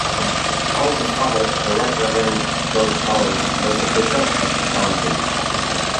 Hollis' father, the Right Reverend George Hollis, was Bishop of Taunton.